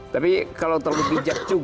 tapi kalau terlalu bijak